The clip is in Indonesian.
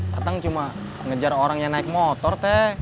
datang cuma ngejar orang yang naik motor teh